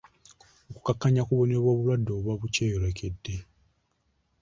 Okukkakkanya ku bubonero bw’obulwadde obuba bukweyolekeddeko.